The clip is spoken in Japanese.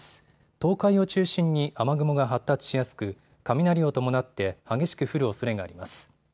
東海を中心に雨雲が発達しやすく、雷を伴って激しく降るおそれがあります。